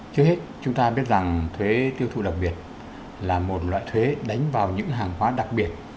trước hết chúng ta biết rằng thuế tiêu thụ đặc biệt là một loại thuế đánh vào những hàng hóa đặc biệt